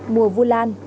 mùa vu lan